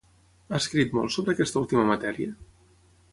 Ha escrit molt sobre aquesta última matèria?